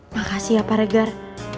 makasih ya pak regar